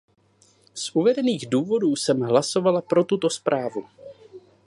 Z uvedených důvodů jsem hlasovala jsem pro tuto zprávu.